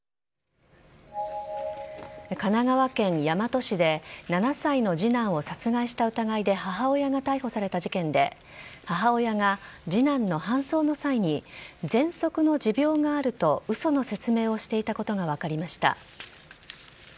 神奈川県大和市で、７歳の次男を殺害した疑いで母親が逮捕された事件で、母親が次男の搬送の際に、ぜんそくの持病があるとうその説明をしていたことが分かりました。